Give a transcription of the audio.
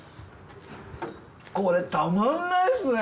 これたまんないっすね！